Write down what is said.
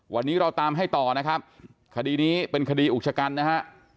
วันนี้เราตามให้ต่อนะครับคดีนี้เป็นคดีอุกชะกันนะฮะ